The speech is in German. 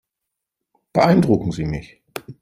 Beeindrucken Sie mich.